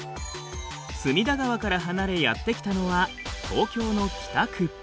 隅田川から離れやって来たのは東京の北区。